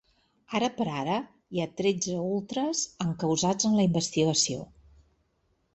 Ara per ara hi ha tretze ultres encausats en la investigació.